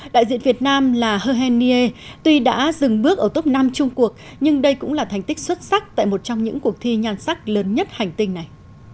đại diện việt nam là he hen nie tuy đã dừng bước ở top năm chung cuộc nhưng đây cũng là thành tích xuất sắc tại một trong những cuộc thi nhan sắc lớn nhất hành tinh này